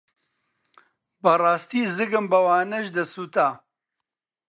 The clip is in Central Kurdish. بەڕاستی زگم بەوانەش دەسووتا.